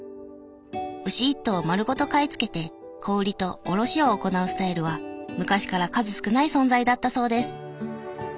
牛一頭を丸ごと買い付けて小売りと卸を行うスタイルは昔から数少ない存在だったそうです。